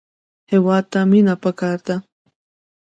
هېواد ته مینه پکار ده